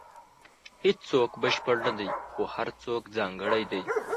• هیڅوک بشپړ نه دی، خو هر څوک ځانګړی دی.